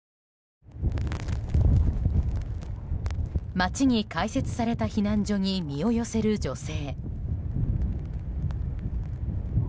町に開設された避難所に身を寄せる女性。